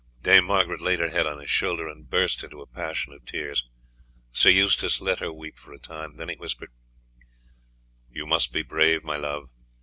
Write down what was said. Dame Margaret laid her head on his shoulder, and burst into a passion of tears. Sir Eustace let her weep for a time, then he whispered: "You must be brave, my love.